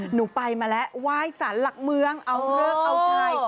หนูไปมาแล้วไหว้สารหลักเมืองเอาเลิกเอาใจ